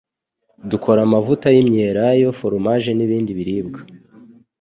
Dukora amavuta y'imyelayo, foromaje n'ibindi biribwa.